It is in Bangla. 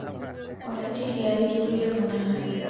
কথাটি হেঁয়ালি বলিয়া মনে হয়।